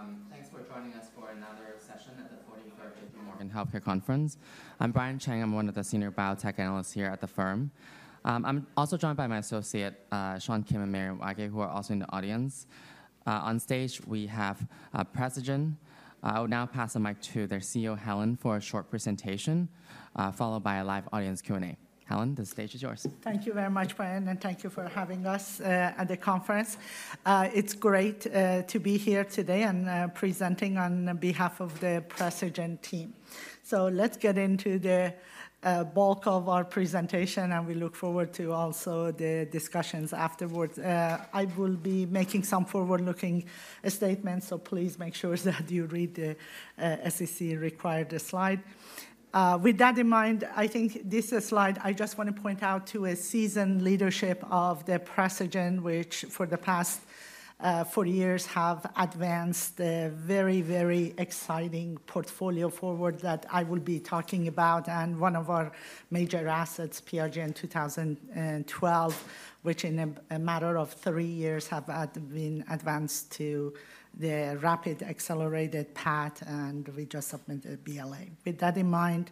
Good morning, everyone. Thanks for joining us for another session at the 44th Annual JP Morgan Healthcare Conference. I'm Brian Cheng. I'm one of the senior biotech analysts here at the firm. I'm also joined by my associate, Sean Kim and Maren Waggie, who are also in the audience. On stage, we have Precigen. I will now pass the mic to their CEO, Helen, for a short presentation, followed by a live audience Q&A. Helen, the stage is yours. Thank you very much, Brian, and thank you for having us at the conference. It's great to be here today and presenting on behalf of the Precigen team. Let's get into the bulk of our presentation, and we look forward to also the discussions afterwards. I will be making some forward-looking statements, so please make sure that you read the SEC-required slide. With that in mind, I think this slide, I just want to point out to a seasoned leadership of the Precigen, which for the past four years have advanced a very, very exciting portfolio forward that I will be talking about, and one of our major assets, PRGN-2012, which in a matter of three years have been advanced to the rapid accelerated path, and we just submitted BLA. With that in mind,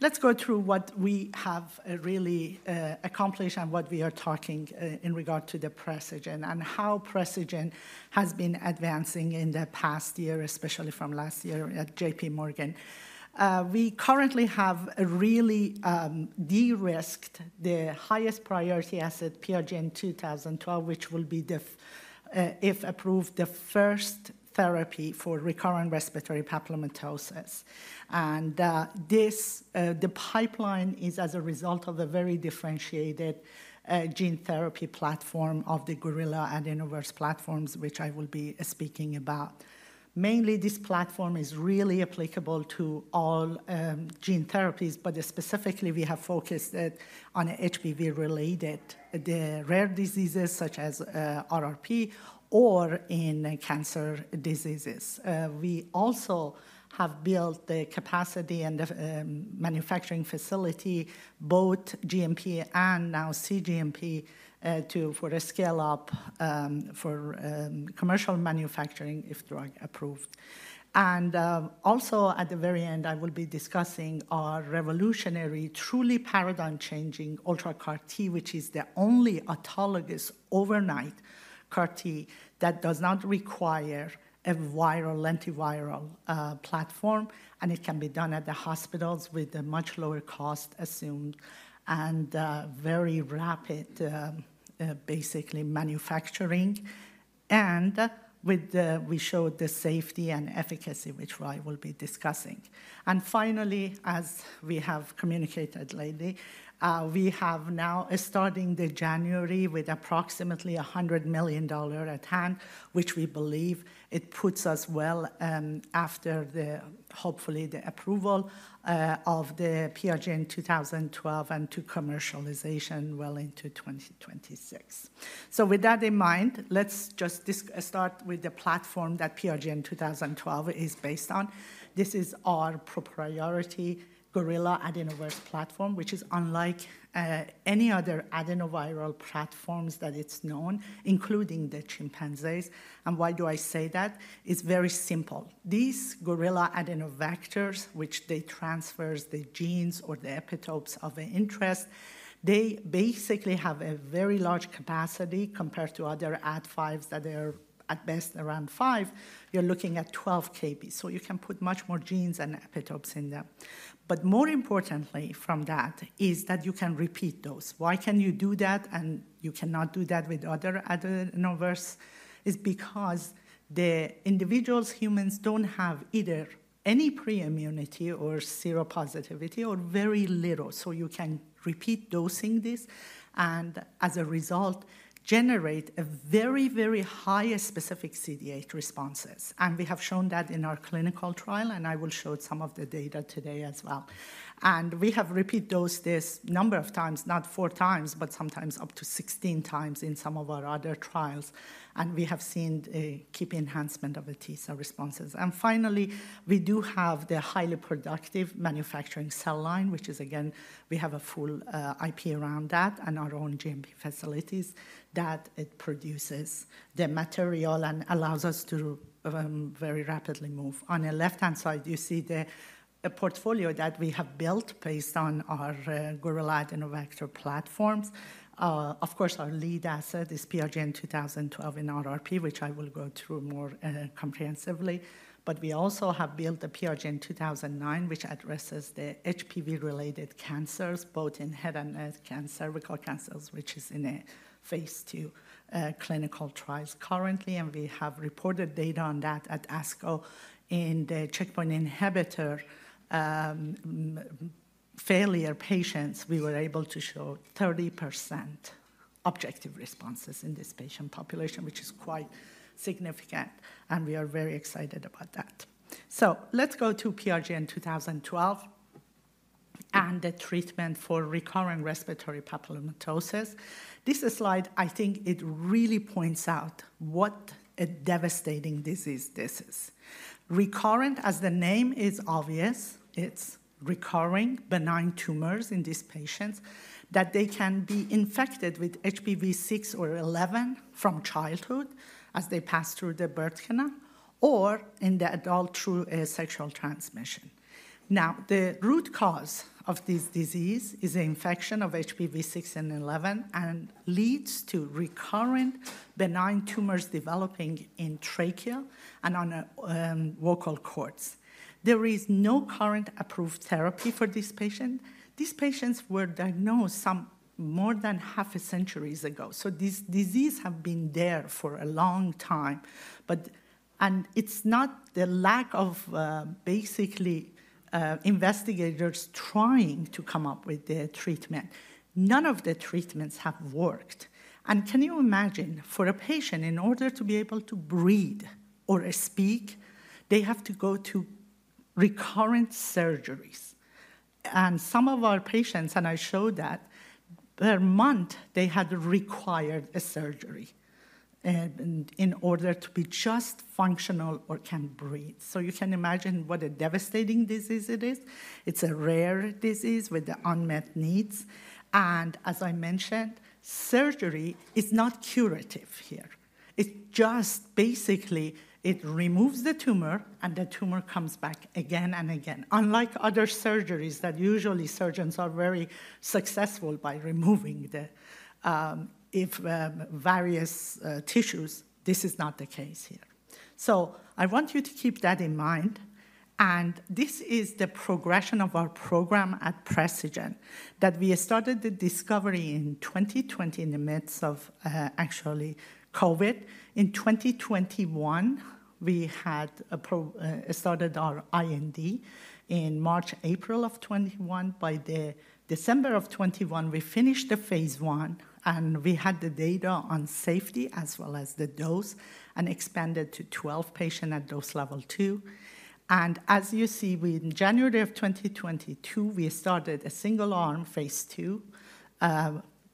let's go through what we have really accomplished and what we are talking in regard to the Precigen and how Precigen has been advancing in the past year, especially from last year at JP Morgan. We currently have really de-risked the highest priority asset, PRGN-2012, which will be, if approved, the first therapy for recurrent respiratory papillomatosis. And the pipeline is as a result of a very differentiated gene therapy platform of the Gorilla AdenoVerse platforms, which I will be speaking about. Mainly, this platform is really applicable to all gene therapies, but specifically, we have focused on HPV-related rare diseases such as RRP or in cancer diseases. We also have built the capacity and the manufacturing facility, both GMP and now cGMP, for a scale-up for commercial manufacturing if drug approved. Also, at the very end, I will be discussing our revolutionary, truly paradigm-changing UltraCAR-T, which is the only autologous overnight CAR-T that does not require a viral vector platform, and it can be done at the hospitals with a much lower cost assumed and very rapid, basically, manufacturing. We showed the safety and efficacy, which I will be discussing. Finally, as we have communicated lately, we have now starting January with approximately $100 million at hand, which we believe it puts us well after, hopefully, the approval of the PRGN-2012 and to commercialization well into 2026. With that in mind, let's just start with the platform that PRGN-2012 is based on. This is our proprietary Gorilla Adenovector platform, which is unlike any other adenoviral platforms that it's known, including the chimpanzees. Why do I say that? It's very simple. These Gorilla Adenovectors, which transfers the genes or the epitopes of an interest, they basically have a very large capacity compared to other Ad5s that are at best around five. You're looking at 12 kb. So you can put much more genes and epitopes in them. But more importantly from that is that you can repeat those. Why can you do that and you cannot do that with other adenovirus? It's because the individuals, humans, don't have either any preimmunity or seropositivity or very little. So you can repeat dosing this and, as a result, generate a very, very high specific CD8 responses. We have shown that in our clinical trial, and I will show some of the data today as well. We have repeat dosed this number of times, not four times, but sometimes up to 16 times in some of our other trials. We have seen a key enhancement of the T cell responses. Finally, we do have the highly productive manufacturing cell line, which is, again, we have a full IP around that and our own GMP facilities that it produces the material and allows us to very rapidly move. On the left-hand side, you see the portfolio that we have built based on our Gorilla Adenovector platforms. Of course, our lead asset is PRGN-2012 in RRP, which I will go through more comprehensively. We also have built the PRGN-2009, which addresses the HPV-related cancers, both in head and neck cancer, cervical cancers, which is in a phase II clinical trials currently. We have reported data on that at ASCO in the checkpoint inhibitor failure patients. We were able to show 30% objective responses in this patient population, which is quite significant. We are very excited about that. Let's go to PRGN-2012 and the treatment for recurrent respiratory papillomatosis. This slide, I think it really points out what a devastating disease this is. Recurrent, as the name is obvious, it's recurring benign tumors in these patients that they can be infected with HPV 6 or 11 from childhood as they pass through the birth canal or in the adult through a sexual transmission. Now, the root cause of this disease is an infection of HPV 6 and 11 and leads to recurrent benign tumors developing in trachea and on vocal cords. There is no current approved therapy for this patient. These patients were diagnosed some more than half a century ago. So this disease has been there for a long time. It's not the lack of, basically, investigators trying to come up with the treatment. None of the treatments have worked. And can you imagine, for a patient, in order to be able to breathe or speak, they have to go to recurrent surgeries. And some of our patients, and I showed that, per month, they had required a surgery in order to be just functional or can breathe. So you can imagine what a devastating disease it is. It's a rare disease with unmet needs. And as I mentioned, surgery is not curative here. It's just, basically, it removes the tumor and the tumor comes back again and again. Unlike other surgeries that usually surgeons are very successful by removing various tissues, this is not the case here. So I want you to keep that in mind. And this is the progression of our program at Precigen that we started the discovery in 2020 in the midst of, actually, COVID. In 2021, we had started our IND in March, April of 2021. By December of 2021, we finished phase I, and we had the data on safety as well as the dose and expanded to 12 patients at dose level two. As you see, in January of 2022, we started a single arm phase II,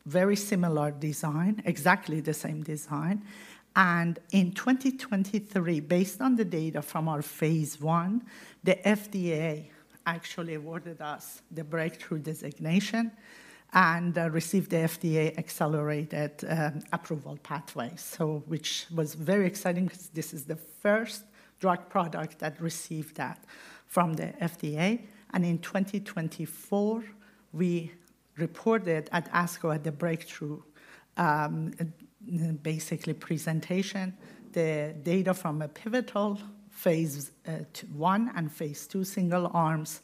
very similar design, exactly the same design. In 2023, based on the data from our phase I, the FDA actually awarded us the breakthrough designation and received the FDA accelerated approval pathway, which was very exciting because this is the first drug product that received that from the FDA. In 2024, we reported at ASCO at the breakthrough, basically, presentation, the data from a pivotal phase I and phase II single arms,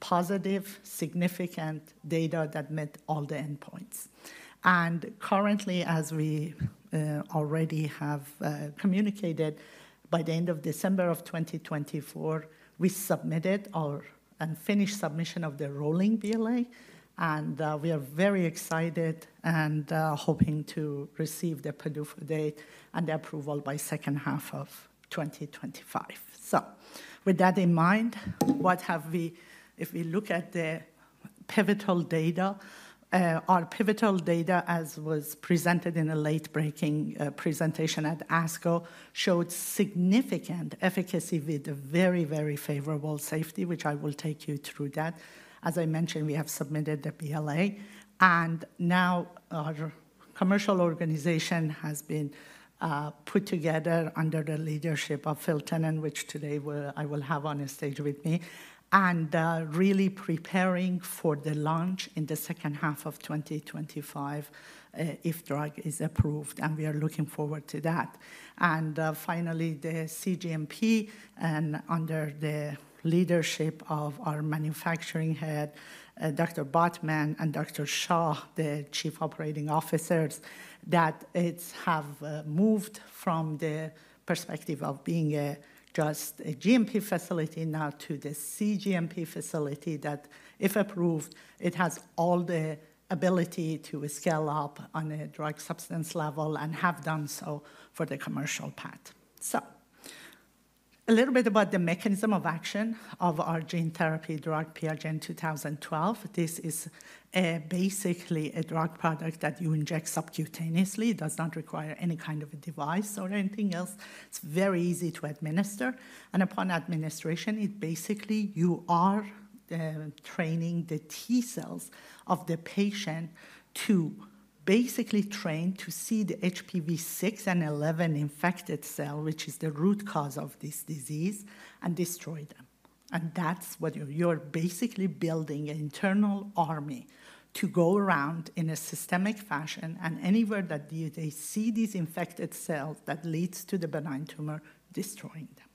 positive, significant data that met all the endpoints. Currently, as we already have communicated, by the end of December of 2024, we submitted our and finished submission of the rolling BLA. We are very excited and hoping to receive the approval by second half of 2025. With that in mind, what have we? If we look at the pivotal data, our pivotal data, as was presented in a late-breaking presentation at ASCO, showed significant efficacy with very, very favorable safety, which I will take you through that. As I mentioned, we have submitted the BLA. Now our commercial organization has been put together under the leadership of Phil Tennant, which today I will have on the stage with me, and really preparing for the launch in the second half of 2025 if drug is approved. We are looking forward to that. And finally, the cGMP and under the leadership of our manufacturing head, Dr. Bottmann, and Dr. Shah, the chief operating officers, that it has moved from the perspective of being just a GMP facility now to the cGMP facility that, if approved, it has all the ability to scale up on a drug substance level and have done so for the commercial path. So a little bit about the mechanism of action of our gene therapy drug, PRGN-2012. This is basically a drug product that you inject subcutaneously. It does not require any kind of a device or anything else. It's very easy to administer. And upon administration, it basically you are training the T cells of the patient to basically train to see the HPV 6 and 11 infected cell, which is the root cause of this disease, and destroy them. And that's what you're basically building an internal army to go around in a systemic fashion and anywhere that they see these infected cells that leads to the benign tumor, destroying them.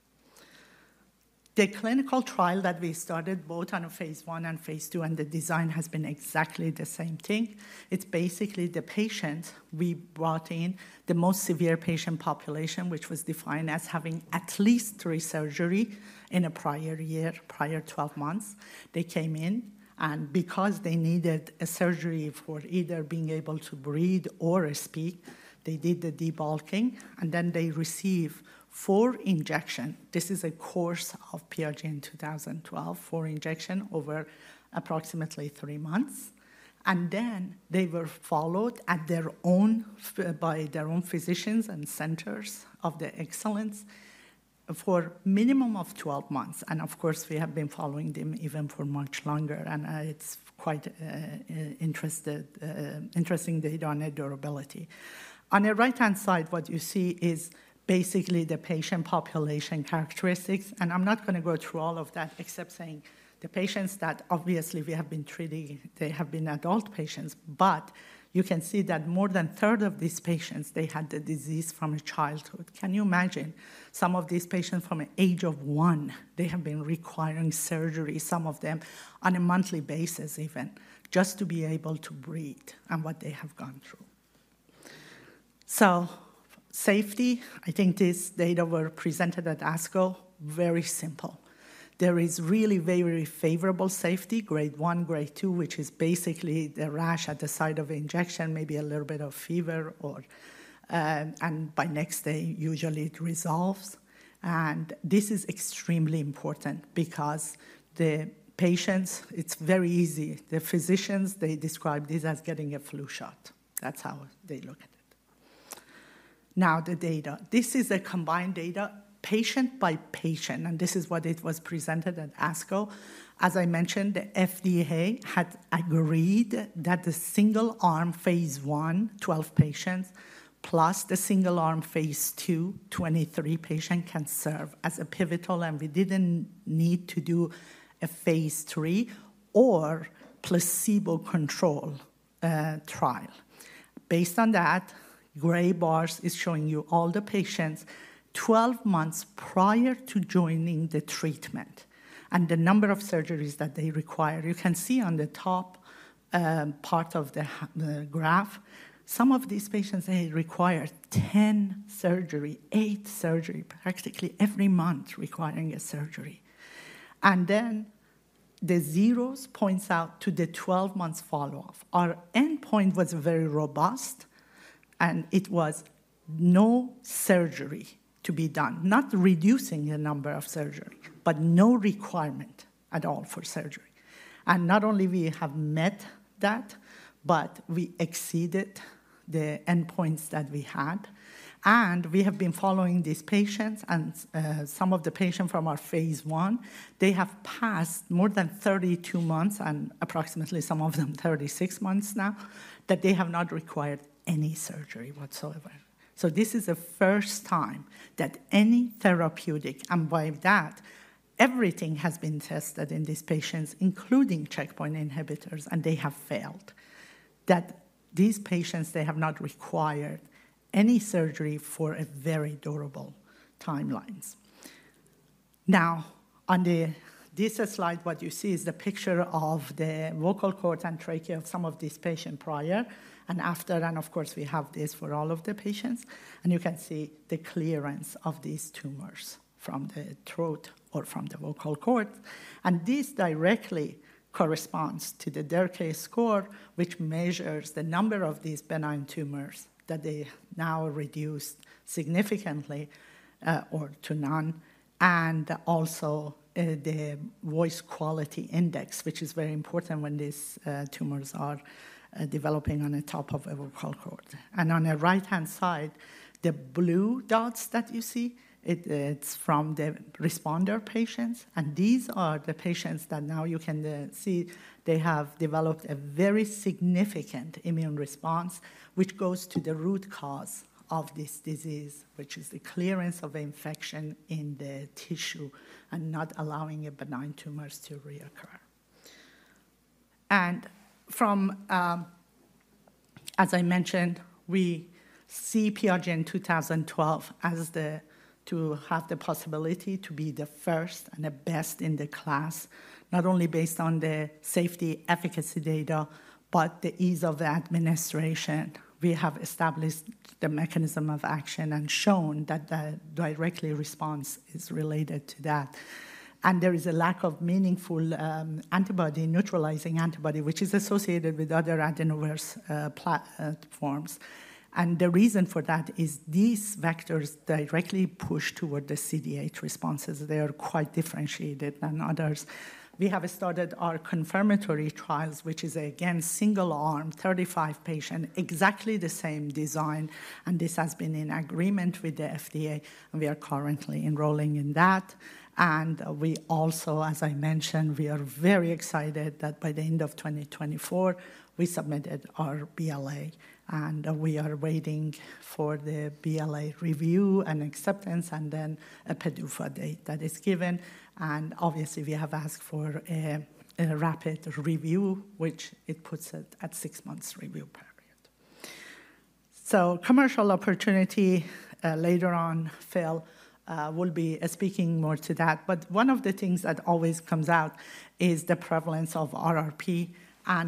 The clinical trial that we started, both on phase I and phase II, and the design has been exactly the same thing. It's basically the patient we brought in, the most severe patient population, which was defined as having at least three surgeries in a prior year, prior 12 months. They came in, and because they needed a surgery for either being able to breathe or speak, they did the debulking, and then they received four injections. This is a course of PRGN-2012, four injections over approximately three months. And then they were followed by their own physicians and centers of excellence for a minimum of 12 months. Of course, we have been following them even for much longer. It's quite interesting data on their durability. On the right-hand side, what you see is basically the patient population characteristics. I'm not going to go through all of that except saying the patients that obviously we have been treating, they have been adult patients. You can see that more than a third of these patients, they had the disease from childhood. Can you imagine some of these patients from the age of one? They have been requiring surgery, some of them, on a monthly basis even, just to be able to breathe and what they have gone through. Safety, I think this data were presented at ASCO, very simple. There is really very, very favorable safety, grade one, grade two, which is basically the rash at the site of injection, maybe a little bit of fever, and by next day, usually it resolves, and this is extremely important because the patients, it's very easy. The physicians, they describe this as getting a flu shot. That's how they look at it. Now, the data. This is a combined data patient by patient, and this is what it was presented at ASCO. As I mentioned, the FDA had agreed that the single arm phase I, 12 patients, plus the single arm phase II, 23 patients can serve as a pivotal, and we didn't need to do a phase III or placebo control trial. Based on that, gray bars is showing you all the patients 12 months prior to joining the treatment and the number of surgeries that they require. You can see on the top part of the graph, some of these patients, they require 10 surgeries, eight surgeries, practically every month requiring a surgery, and then the zeros point out to the 12-month follow-up. Our endpoint was very robust, and it was no surgery to be done, not reducing the number of surgeries, but no requirement at all for surgery, and not only we have met that, but we exceeded the endpoints that we had, and we have been following these patients, and some of the patients from our phase I, they have passed more than 32 months and approximately some of them 36 months now that they have not required any surgery whatsoever. So this is the first time that any therapeutic, and by that, everything has been tested in these patients, including checkpoint inhibitors, and they have failed, that these patients, they have not required any surgery for very durable timelines. Now, on this slide, what you see is the picture of the vocal cords and trachea of some of these patients prior and after. And of course, we have this for all of the patients. And you can see the clearance of these tumors from the throat or from the vocal cords. And this directly corresponds to the Derkay score, which measures the number of these benign tumors that they now reduced significantly or to none. And also the Voice Quality Index, which is very important when these tumors are developing on the top of a vocal cord. On the right-hand side, the blue dots that you see, it's from the responder patients. These are the patients that now you can see they have developed a very significant immune response, which goes to the root cause of this disease, which is the clearance of infection in the tissue and not allowing benign tumors to reoccur. As I mentioned, we see PRGN-2012 as the one to have the possibility to be the first and the best in the class, not only based on the safety efficacy data, but the ease of the administration. We have established the mechanism of action and shown that the direct response is related to that. There is a lack of meaningful antibody, neutralizing antibody, which is associated with other adenovirus platforms. The reason for that is these vectors directly push toward the CD8 responses. They are quite differentiated than others. We have started our confirmatory trials, which is again single arm, 35 patients, exactly the same design. And this has been in agreement with the FDA. And we are currently enrolling in that. And we also, as I mentioned, we are very excited that by the end of 2024, we submitted our BLA. And we are waiting for the BLA review and acceptance and then a PDUFA date that is given. And obviously, we have asked for a rapid review, which it puts it at six months review period. So commercial opportunity later on, Phil, we'll be speaking more to that. But one of the things that always comes out is the prevalence of RRP.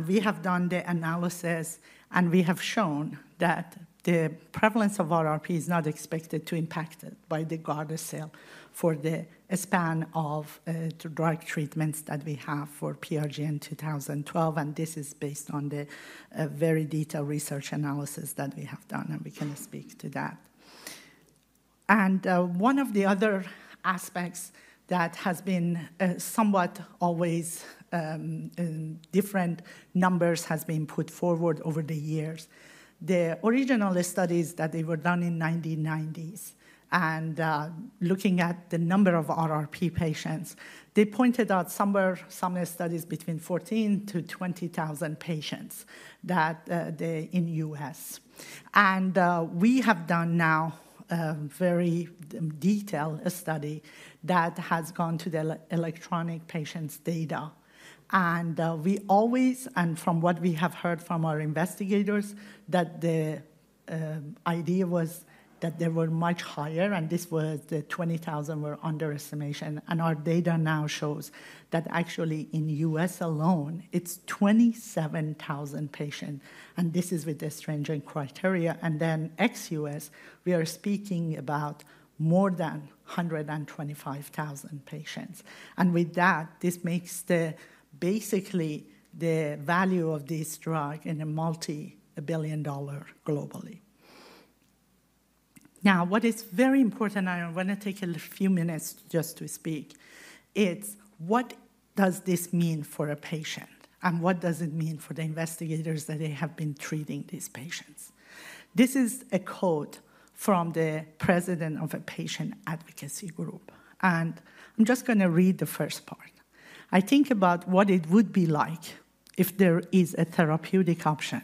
We have done the analysis, and we have shown that the prevalence of RRP is not expected to be impacted by the Gardasil for the span of drug treatments that we have for PRGN-2012. This is based on the very detailed research analysis that we have done, and we can speak to that. One of the other aspects that has been somewhat always different numbers has been put forward over the years. The original studies that they were done in the 1990s and looking at the number of RRP patients, they pointed out somewhere some studies between 14,000-20,000 patients that in the U.S. We have done now a very detailed study that has gone to the electronic patients' data. And we always, and from what we have heard from our investigators, that the idea was that they were much higher, and this was the 20,000 were underestimation. And our data now shows that actually in the US alone, it's 27,000 patients. And this is with the stringent criteria. And then ex-US, we are speaking about more than 125,000 patients. And with that, this makes basically the value of this drug in a multi-billion-dollar globally. Now, what is very important, and I want to take a few minutes just to speak, it's what does this mean for a patient and what does it mean for the investigators that they have been treating these patients? This is a quote from the president of a patient advocacy group. And I'm just going to read the first part. I think about what it would be like if there is a therapeutic option.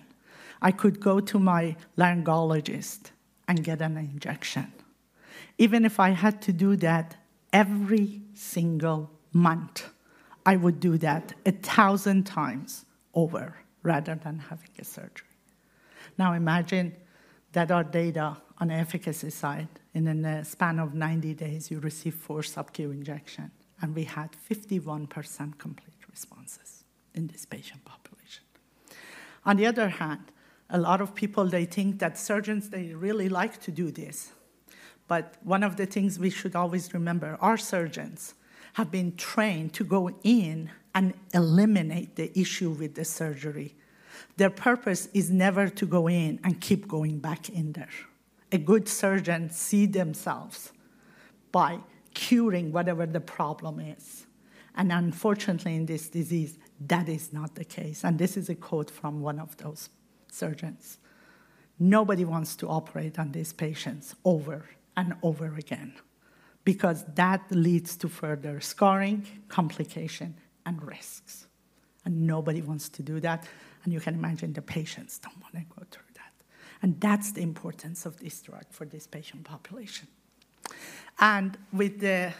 I could go to my laryngologist and get an injection. Even if I had to do that every single month, I would do that a thousand times over rather than having a surgery. Now, imagine that our data on the efficacy side in a span of 90 days, you receive four subcu injections, and we had 51% complete responses in this patient population. On the other hand, a lot of people, they think that surgeons, they really like to do this. But one of the things we should always remember, our surgeons have been trained to go in and eliminate the issue with the surgery. Their purpose is never to go in and keep going back in there. A good surgeon sees themselves by curing whatever the problem is. And unfortunately, in this disease, that is not the case. And this is a quote from one of those surgeons. Nobody wants to operate on these patients over and over again because that leads to further scarring, complication, and risks, and nobody wants to do that, and you can imagine the patients don't want to go through that, and that's the importance of this drug for this patient population. And with the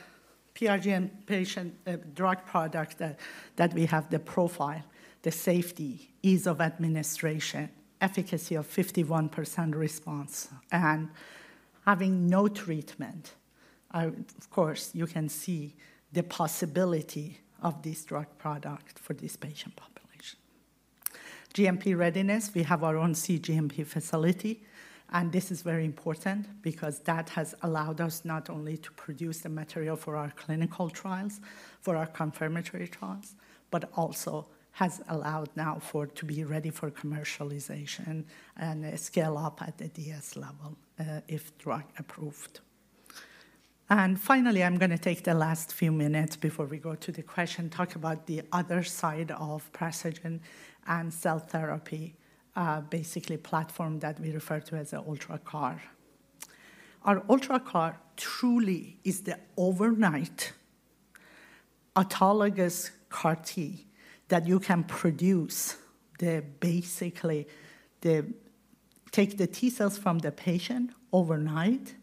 PRGN-2012 drug product that we have, the profile, the safety, ease of administration, efficacy of 51% response, and having no treatment, of course, you can see the possibility of this drug product for this patient population. cGMP readiness, we have our own cGMP facility. And this is very important because that has allowed us not only to produce the material for our clinical trials, for our confirmatory trials, but also has allowed now for it to be ready for commercialization and scale up at the DS level if drug approved. Finally, I'm going to take the last few minutes before we go to the question, talk about the other side of Precigen and cell therapy, basically platform that we refer to as UltraCAR-T. Our UltraCAR-T truly is the overnight autologous CAR-T that you can produce, basically take the T cells from the patient overnight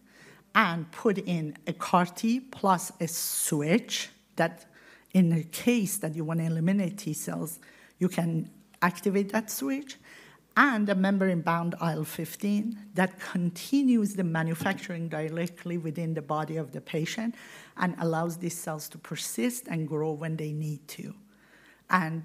and put in a CAR-T plus a switch that in the case that you want to eliminate T cells, you can activate that switch and a membrane-bound IL-15 that continues the manufacturing directly within the body of the patient and allows these cells to persist and grow when they need to.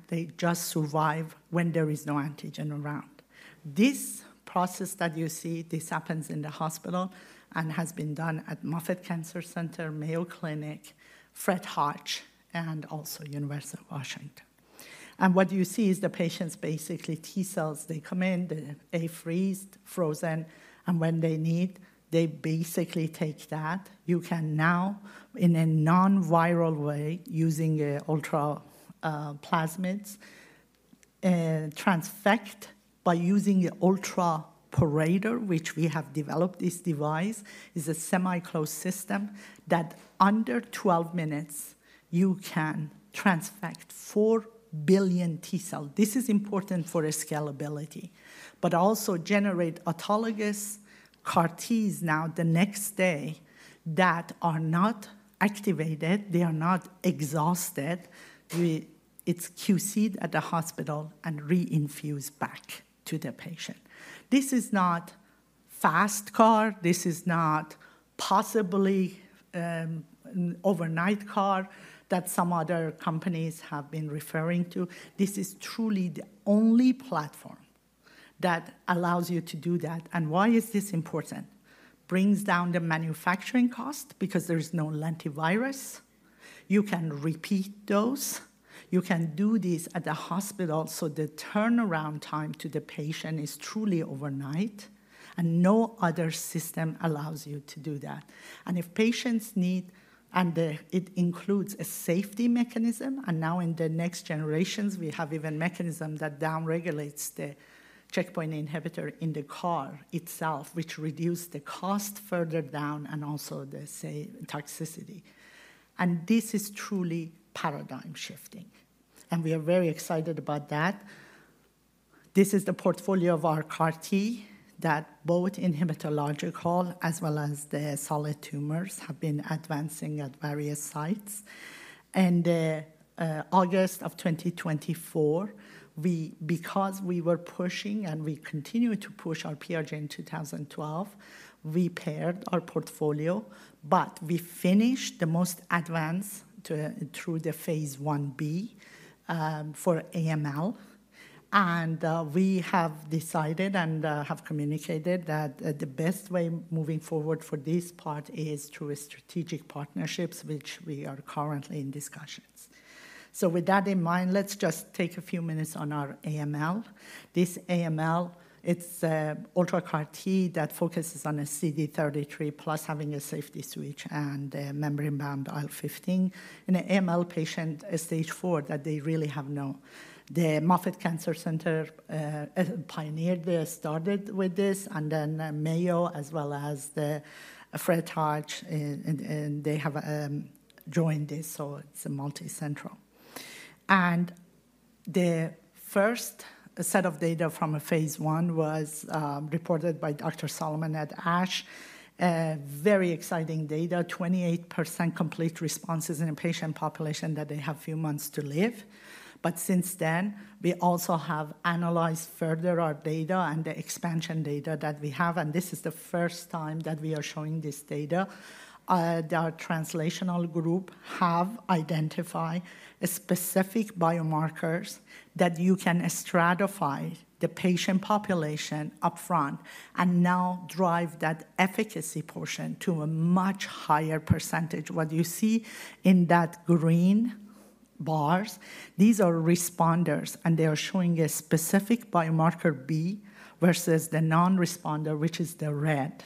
They just survive when there is no antigen around. This process that you see, this happens in the hospital and has been done at Moffitt Cancer Center, Mayo Clinic, Fred Hutch, and also University of Washington. What you see is the patient's basically T cells, they come in, they're frozen, and when they need, they basically take that. You can now, in a non-viral way, using ultra plasmids, transfect by using the UltraPorator, which we have developed this device, is a semi-closed system that under 12 minutes, you can transfect 4 billion T cells. This is important for scalability, but also generate autologous CAR-Ts now the next day that are not activated. They are not exhausted. It's QC'd at the hospital and re-infused back to the patient. This is not FasTCAR. This is not possibly an overnight CAR that some other companies have been referring to. This is truly the only platform that allows you to do that. And why is this important? Brings down the manufacturing cost because there is no lentivirus. You can repeat dose. You can do this at the hospital, so the turnaround time to the patient is truly overnight. No other system allows you to do that, and if patients need, it includes a safety mechanism. Now in the next generations, we have even a mechanism that downregulates the checkpoint inhibitor in the CAR itself, which reduces the cost further down and also the toxicity. This is truly paradigm shifting, and we are very excited about that. This is the portfolio of our CAR-T that both in hematological as well as the solid tumors have been advancing at various sites. In August of 2024, because we were pushing and we continue to push our PRGN-2012, we pared our portfolio, but we finished the most advanced through the phase IB for AML. And we have decided and have communicated that the best way moving forward for this part is through strategic partnerships, which we are currently in discussions. So with that in mind, let's just take a few minutes on our AML. This AML, it's an UltraCAR-T that focuses on a CD33+ having a safety switch and membrane-bound IL-15. And an AML patient stage four that they really have known. The Moffitt Cancer Center pioneered this, started with this, and then Mayo as well as Fred Hutch, they have joined this. So it's a multicenter. And the first set of data from phase I was reported by Dr. Sallman at ASH, very exciting data, 28% complete responses in a patient population that they have a few months to live. But since then, we also have analyzed further our data and the expansion data that we have. This is the first time that we are showing this data. Our translational group has identified specific biomarkers that you can stratify the patient population upfront and now drive that efficacy portion to a much higher percentage. What you see in that green bars, these are responders, and they are showing a specific biomarker B versus the non-responder, which is the red.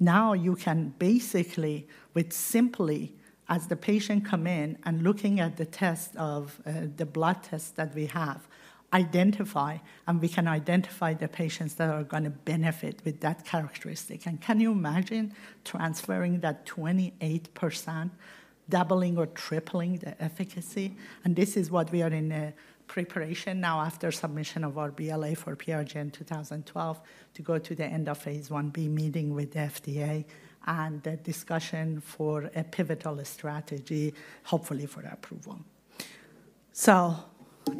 Now you can basically, with simply as the patient comes in and looking at the test of the blood test that we have, identify, and we can identify the patients that are going to benefit with that characteristic. Can you imagine transferring that 28%, doubling or tripling the efficacy? This is what we are in preparation now after submission of our BLA for PRGN-2012 to go to the end of phase IB meeting with the FDA and the discussion for a pivotal strategy, hopefully for approval. So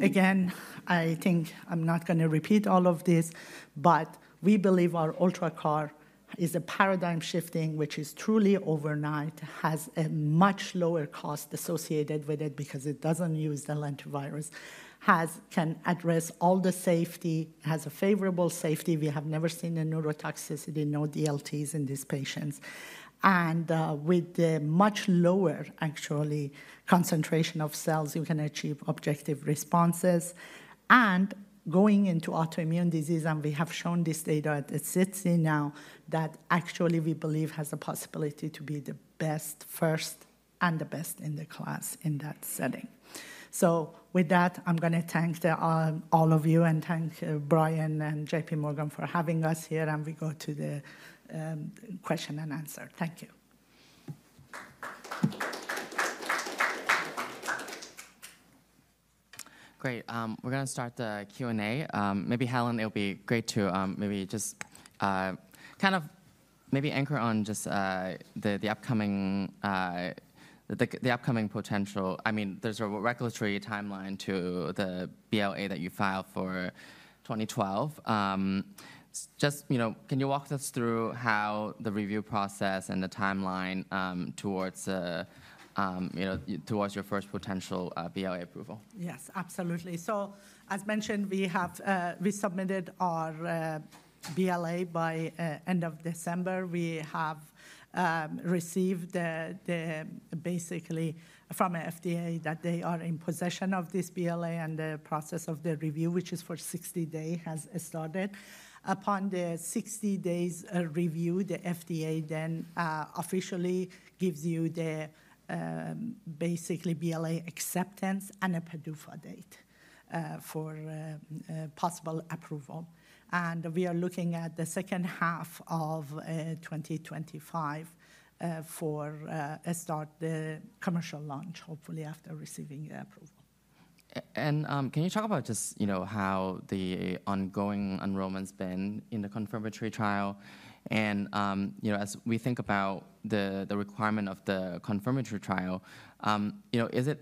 again, I think I'm not going to repeat all of this, but we believe our UltraCAR-T is a paradigm shifting, which is truly overnight, has a much lower cost associated with it because it doesn't use the lentivirus, can address all the safety, has a favorable safety. We have never seen a neurotoxicity, no DLTs in these patients. And with the much lower, actually, concentration of cells, you can achieve objective responses. And going into autoimmune disease, and we have shown this data at the SITC now that actually we believe has the possibility to be the best first and the best in the class in that setting. So with that, I'm going to thank all of you and thank Brian and JP Morgan for having us here. And we go to the question and answer. Thank you. Great We're going to start the Q&A. Maybe, Helen, it would be great to maybe just kind of maybe anchor on just the upcoming potential. I mean, there's a regulatory timeline to the BLA that you filed for PRGN-2012. Just can you walk us through how the review process and the timeline towards your first potential BLA approval? Yes, absolutely, so as mentioned, we submitted our BLA by end of December. We have received basically from the FDA that they are in possession of this BLA and the process of the review, which is for 60 days, has started. Upon the 60 days review, the FDA then officially gives you basically BLA acceptance and a PDUFA date for possible approval, and we are looking at the second half of 2025 for a start, the commercial launch, hopefully after receiving the approval. And can you talk about just how the ongoing enrollment has been in the confirmatory trial? And as we think about the requirement of the confirmatory trial, is it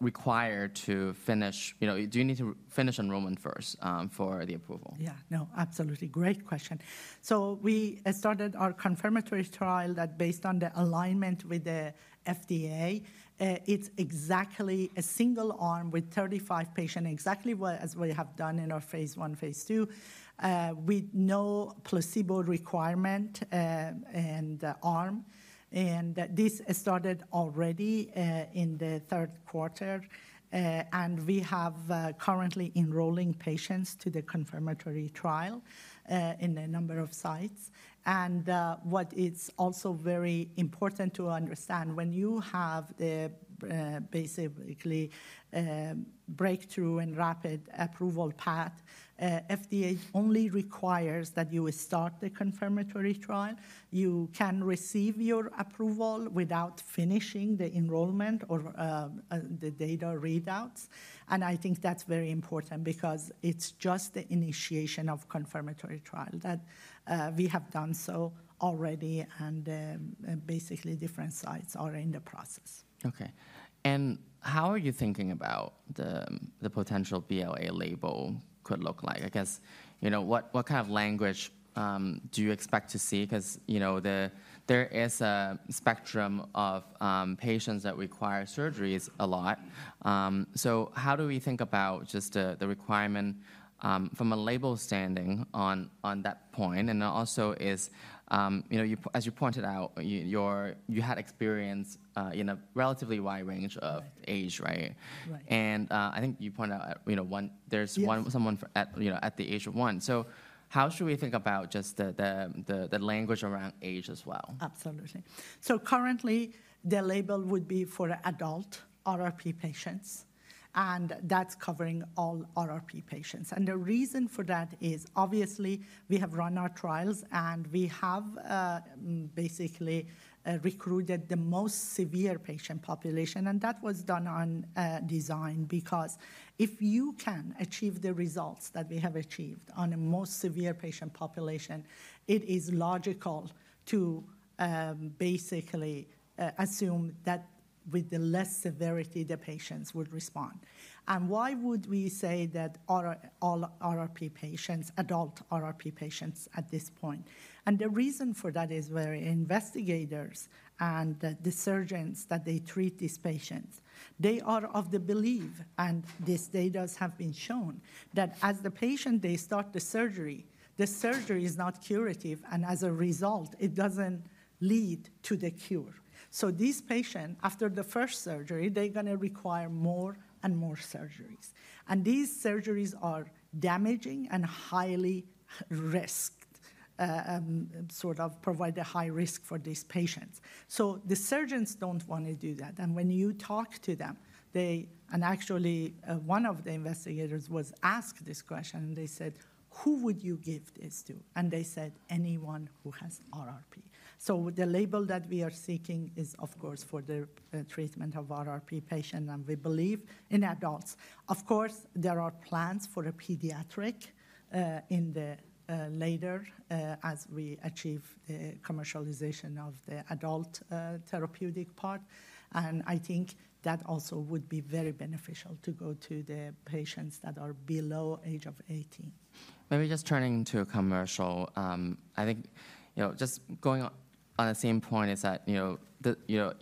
required to finish? Do you need to finish enrollment first for the approval? Yeah, no, absolutely. Great question. So we started our confirmatory trial that based on the alignment with the FDA, it's exactly a single arm with 35 patients, exactly as we have done in our phase I, phase II, with no placebo requirement and arm. And this started already in the third quarter. And we have currently enrolling patients to the confirmatory trial in a number of sites. And what is also very important to understand, when you have basically breakthrough and rapid approval path, FDA only requires that you start the confirmatory trial. You can receive your approval without finishing the enrollment or the data readouts. And I think that's very important because it's just the initiation of confirmatory trial that we have done so already. And basically, different sites are in the process. Okay. And how are you thinking about the potential BLA label could look like? I guess what kind of language do you expect to see? Because there is a spectrum of patients that require surgeries a lot. So how do we think about just the requirement from a label standing on that point? And also as you pointed out, you had experience in a relatively wide range of age, right? And I think you point out there's someone at the age of one. So how should we think about just the language around age as well? Absolutely, so currently, the label would be for adult RRP patients, and that's covering all RRP patients. The reason for that is obviously we have run our trials, and we have basically recruited the most severe patient population, and that was done by design because if you can achieve the results that we have achieved on a most severe patient population, it is logical to basically assume that with the less severity the patients would respond, and why would we say that all RRP patients, adult RRP patients at this point? The reason for that is our investigators and the surgeons that treat these patients; they are of the belief, and this data has been shown, that as the patient they start the surgery, the surgery is not curative, and as a result, it doesn't lead to the cure. So these patients, after the first surgery, they're going to require more and more surgeries. And these surgeries are damaging and highly risky, sort of provide a high risk for these patients. So the surgeons don't want to do that. And when you talk to them, and actually one of the investigators was asked this question, they said, "Who would you give this to?" And they said, "Anyone who has RRP." So the label that we are seeking is, of course, for the treatment of RRP patients. And we believe in adults. Of course, there are plans for a pediatric indication later as we achieve the commercialization of the adult therapeutic part. And I think that also would be very beneficial to go to the patients that are below the age of 18. Maybe just turning to a commercial, I think just going on the same point is that the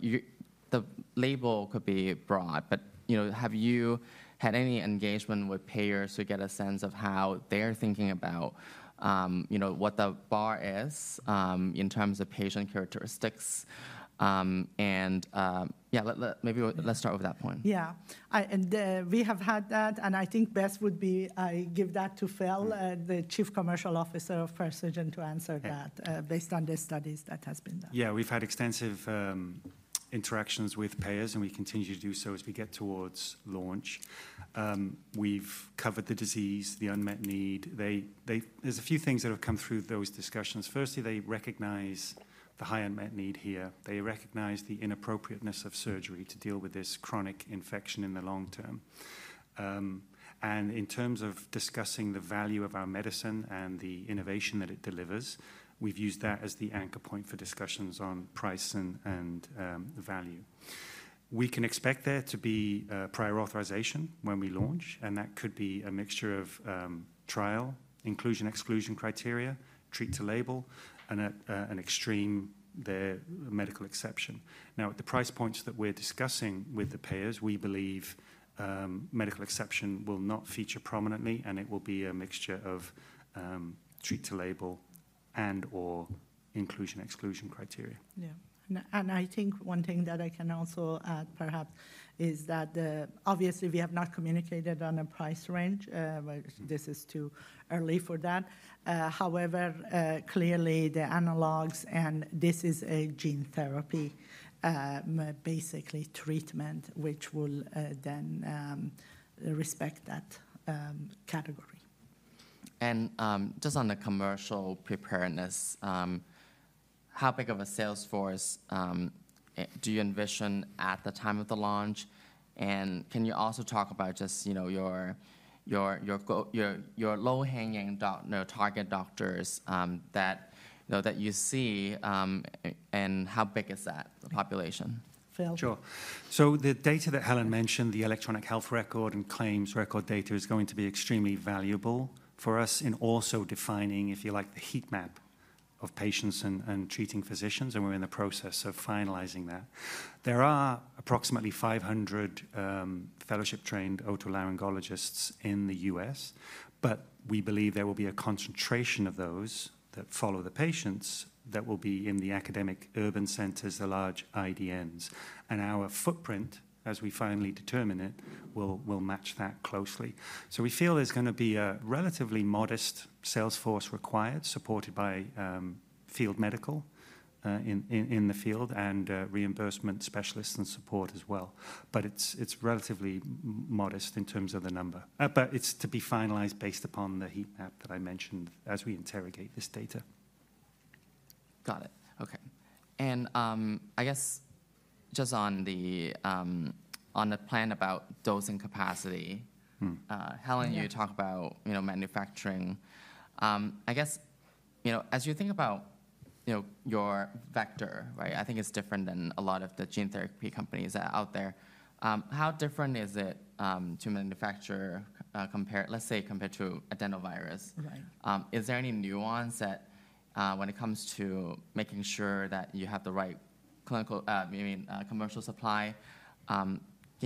label could be broad, but have you had any engagement with payers to get a sense of how they're thinking about what the bar is in terms of patient characteristics? And yeah, maybe let's start with that point. Yeah, and we have had that, and I think best would be I give that to Phil, the Chief Commercial Officer of Precigen, to answer that based on the studies that have been done. Yeah, we've had extensive interactions with payers, and we continue to do so as we get towards launch. We've covered the disease, the unmet need. There's a few things that have come through those discussions. Firstly, they recognize the high unmet need here. They recognize the inappropriateness of surgery to deal with this chronic infection in the long term. And in terms of discussing the value of our medicine and the innovation that it delivers, we've used that as the anchor point for discussions on price and value. We can expect there to be prior authorization when we launch, and that could be a mixture of trial, inclusion, exclusion criteria, treat to label, and an extreme medical exception. Now, at the price points that we're discussing with the payers, we believe medical exception will not feature prominently, and it will be a mixture of treat to label and/or inclusion, exclusion criteria. Yeah, and I think one thing that I can also add perhaps is that obviously we have not communicated on a price range. This is too early for that. However, clearly the analogs, and this is a gene therapy basically treatment, which will then respect that category. Just on the commercial preparedness, how big of a sales force do you envision at the time of the launch? Can you also talk about just your low-hanging target doctors that you see and how big is that population? Phil? Sure. So the data that Helen mentioned, the electronic health record and claims record data is going to be extremely valuable for us in also defining, if you like, the heat map of patients and treating physicians. And we're in the process of finalizing that. There are approximately 500 fellowship-trained otolaryngologists in the U.S., but we believe there will be a concentration of those that follow the patients that will be in the academic urban centers, the large IDNs. And our footprint, as we finally determine it, will match that closely. So we feel there's going to be a relatively modest sales force required, supported by field medical in the field and reimbursement specialists and support as well. But it's relatively modest in terms of the number. But it's to be finalized based upon the heat map that I mentioned as we interrogate this data. Got it. Okay. And I guess just on the plan about dose and capacity, Helen you talked about manufacturing. I guess as you think about your vector, I think it's different than a lot of the gene therapy companies out there. How different is it to manufacture, let's say, compared to adenovirus? Is there any nuance when it comes to making sure that you have the right commercial supply?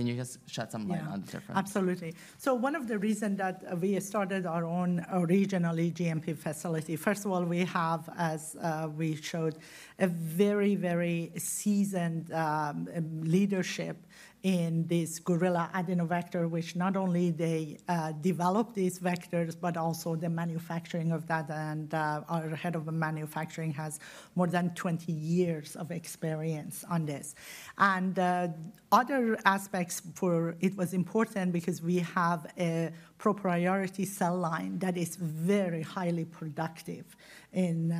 Can you just shed some light on the difference? Yeah, absolutely. So one of the reasons that we started our own regional GMP facility, first of all, we have, as we showed, a very, very seasoned leadership in this Gorilla Adenovector, which not only they develop these vectors, but also the manufacturing of that. And our head of manufacturing has more than 20 years of experience on this. And other aspects for it was important because we have a proprietary cell line that is very highly productive in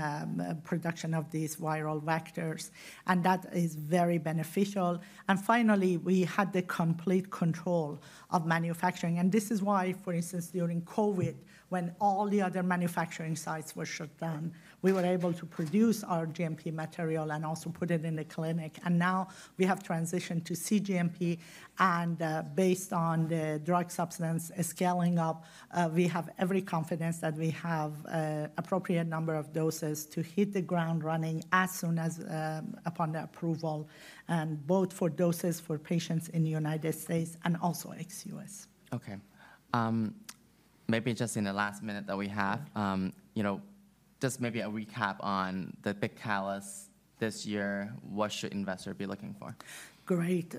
production of these viral vectors. And that is very beneficial. And finally, we had the complete control of manufacturing. And this is why, for instance, during COVID, when all the other manufacturing sites were shut down, we were able to produce our GMP material and also put it in the clinic. And now we have transitioned to cGMP. Based on the drug substance scaling up, we have every confidence that we have an appropriate number of doses to hit the ground running as soon as upon approval, both for doses for patients in the United States and also ex-US. Okay. Maybe just in the last minute that we have, just maybe a recap on the big catalysts this year, what should investors be looking for? Great.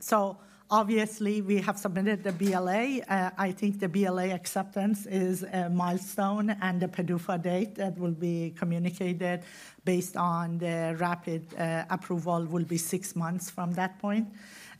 So obviously, we have submitted the BLA. I think the BLA acceptance is a milestone, and the PDUFA date that will be communicated based on the rapid approval will be six months from that point,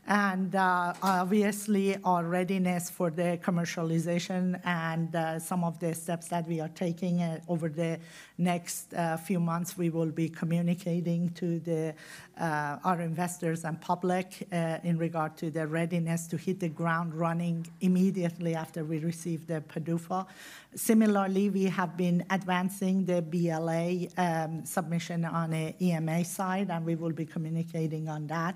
and obviously, our readiness for the commercialization and some of the steps that we are taking over the next few months, we will be communicating to our investors and public in regard to the readiness to hit the ground running immediately after we receive the PDUFA. Similarly, we have been advancing the BLA submission on the EMA side, and we will be communicating on that.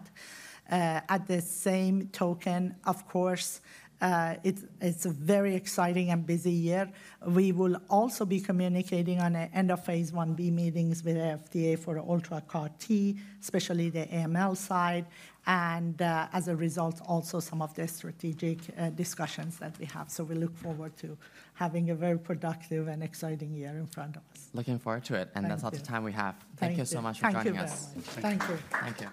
At the same time, of course, it's a very exciting and busy year. We will also be communicating on the end of phase IB meetings with the FDA for the UltraCAR-T, especially the AML side. And as a result, also some of the strategic discussions that we have. So we look forward to having a very productive and exciting year in front of us. Looking forward to it. And that's all the time we have. Thank you so much for joining us. Thank you. Thank you.